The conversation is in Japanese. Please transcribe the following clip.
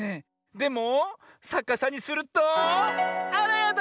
でもさかさにするとあらやだ！